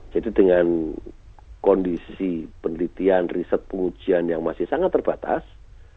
jadi dengan kondisi penelitian riset pengujian yang masih sangat terbatas